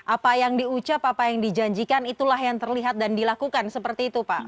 apa yang diucap apa yang dijanjikan itulah yang terlihat dan dilakukan seperti itu pak